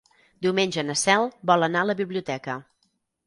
Diumenge na Cel vol anar a la biblioteca.